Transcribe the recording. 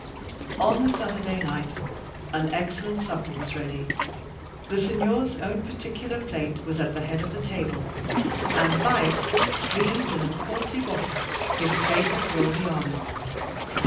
On the Saturday night, an excellent supper was ready: the Signor's own particular plate was at the head of the table, and by it gleamed, in a portly bottle, his favourite Rogliano.